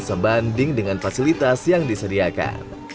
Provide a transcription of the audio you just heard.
sebanding dengan fasilitas yang disediakan